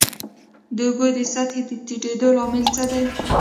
د اوبو د سطحې د ټیټیدو لامل څه دی؟